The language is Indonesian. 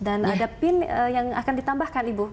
dan ada pin yang akan ditambahkan ibu